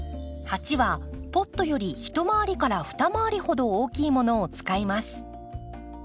鉢はポットより１まわり２まわりほど大きいものを使います。